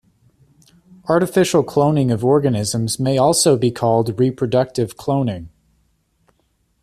Artificial cloning of organisms may also be called "reproductive cloning".